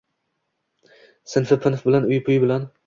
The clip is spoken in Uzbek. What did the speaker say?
“Sinf-pinifi bilan, uy-puyi bilan…”